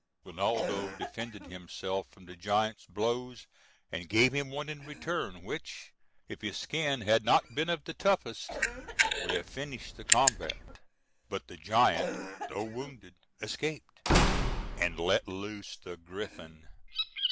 Rinaldo defended himself from the giant's blows, and gave him one in return, which, if his skin had not been of the toughest, would have finished the combat. But the giant, though wounded, escaped, and let loose the griffin.